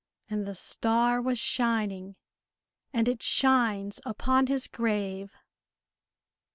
And the star was shining, and it shines upon his grave.